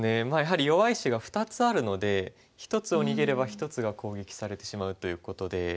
まあやはり弱い石が２つあるので１つを逃げれば１つが攻撃されてしまうということで。